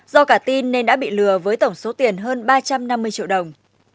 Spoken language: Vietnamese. do cả tin nên đã bị lừa với tổng số tiền hơn ba trăm năm mươi triệu đồng